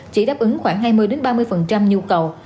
chỉ đáp ứng khoảng hai mươi ba mươi nhu cầu